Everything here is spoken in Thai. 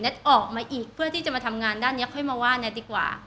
ออกมาอีกเพื่อที่จะมาทำงานด้านนี้ค่อยมาว่าแน็ตดีกว่า